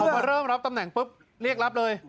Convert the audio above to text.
พอเริ่มรับตำแหน่งปุ๊บเรียกรับเลย